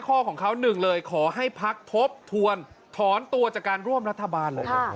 ข้อของเขาหนึ่งเลยขอให้พักทบทวนถอนตัวจากการร่วมรัฐบาลเลย